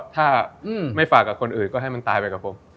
ถ้าไม่ฝากกับคนอื่นก็ให้มันตายไปกับผม